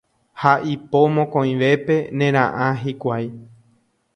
Ha ipo mokõivépe nera'ã hikuái